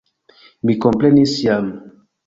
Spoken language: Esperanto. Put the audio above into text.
Mi komprenis jam.